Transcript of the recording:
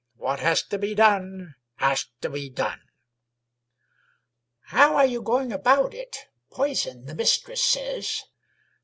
What has to be done, has to be done." "How are you going about it? Poison, the mistress says."